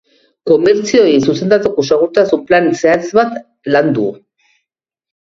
Komertzioei zuzendutako segurtasun plan zehatz bat landu.